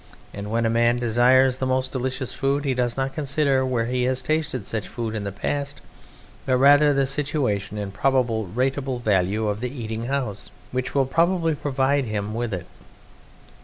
And when a man desires the most delicious food he does not consider where he has tasted such food in the past, but rather the situation and probable rateable value of the eating house which will provide him with it.